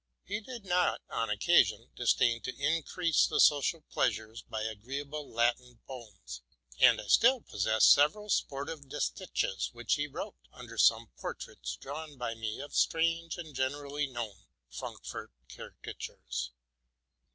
He did not, on occasion, disdain to increase the social pleasures by agreeable Latin poems ; and J still possess several sportive distiches which he wrote under some portraits drawn by me of strange and generally known Frankfort caricatures.